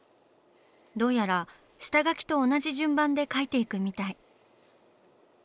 どうやら下描きと同じ順番で描いていくみたい。